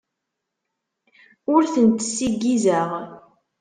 Ur tent-ssiggizeɣ.